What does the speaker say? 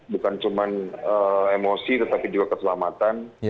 bukan cuma emosi tetapi juga keselamatan